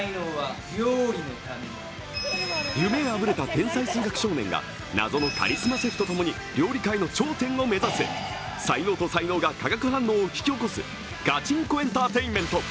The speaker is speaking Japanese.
夢破れた天才数学少年が、謎のカリスマシェフとともに料理界の頂点を目指す才能と才能が化学反応を引き起こすガチンコエンターテインメント。